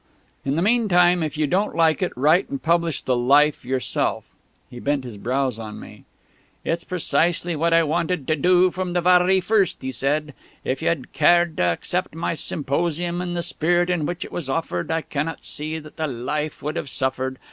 In the meantime, if you don't like it, write and publish the 'Life' yourself." He bent his brows on me. "It's precisely what I wanted to do from the varry first," he said. "If you'd cared to accept my symposium in the spirit in which it was offered, I cannot see that the 'Life' would have suffered.